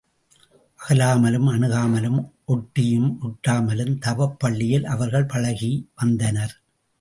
அகலாமலும் அணுகாமலும் ஒட்டியும் ஒட்டாமலும் தவப் பள்ளியில் அவர்கள் பழகி வந்தனர்.